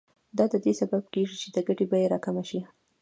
دا د دې سبب کېږي چې د ګټې بیه راکمه شي